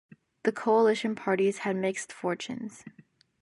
The coalition parties had mixed fortunes.